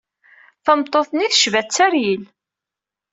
Tameṭṭut-nni tecba Tteryel.